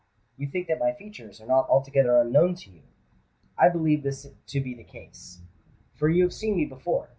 You think that my features are not altogether unknown to you? I believe this to be the case—for you have seen me before.